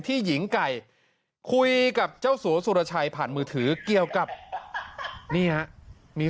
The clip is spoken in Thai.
หญิงไก่คุยกับเจ้าสัวสุรชัยผ่านมือถือเกี่ยวกับนี่ฮะมี